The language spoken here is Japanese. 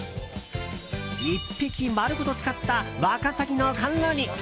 １匹丸ごと使った若さぎの甘露煮。